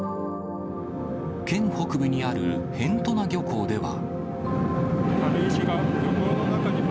県北部にある辺士名漁港では。